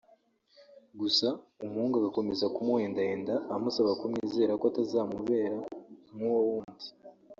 gusa umuhungu agakomeza kumuhendahenda amusaba kumwizera ko atazamubera nk’uwo wundi